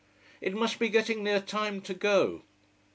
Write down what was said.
It must be getting near time to go.